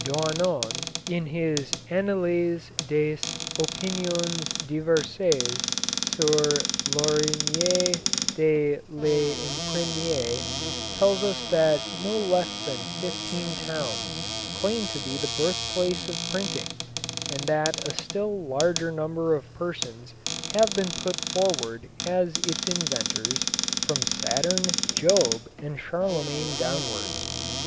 Daunon, in his Analyse des Opinions diverses sur l'origine de l'Imprimerie, tells us that no less than fifteen towns claim to be the birthplace of printing, and that a still larger number of persons have been put forward as its inventors, from Saturn, Job, and Charlemagne downwards.